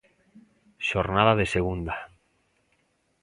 Xornada de segunda.